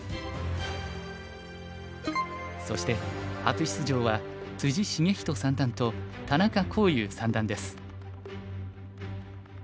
そして初出場は篤仁三段と田中康湧三段です。